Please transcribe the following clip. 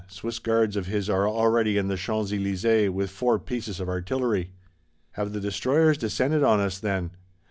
Swiss Guards of his are already in the Champs Elysées, with four pieces of artillery. Have the destroyers descended on us, then?